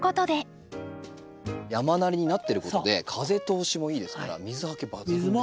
山なりになってることで風通しもいいですから水はけ抜群ですね。